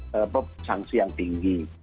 bebas sanksi yang tinggi